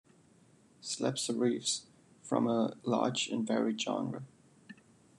Slab serifs form a large and varied genre.